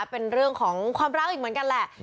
เป็นเรื่องของความรักอีกเหมือนกันแหละ